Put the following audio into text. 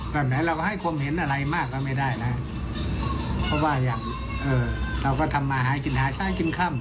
แบบหนึ่งเราให้ความเห็นอะไรมากก็ไม่ได้นะเพราะว่าอย่างต่อมาชายกินข้ำ